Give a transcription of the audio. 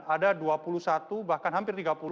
ada dua puluh satu bahkan hampir tiga puluh